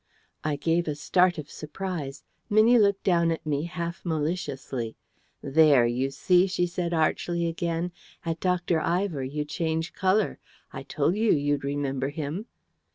I gave a start of surprise. Minnie looked down at me half maliciously. "There, you see," she said archly again, "at Dr. Ivor you change colour. I told you you'd remember him!"